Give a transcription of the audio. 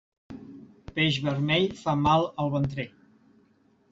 Peix vermell fa mal al ventrell.